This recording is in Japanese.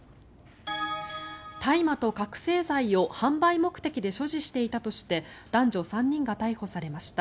大麻と覚醒剤を販売目的で所持していたとして男女３人が逮捕されました。